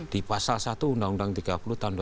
di pasal satu undang undang tiga puluh tahun dua ribu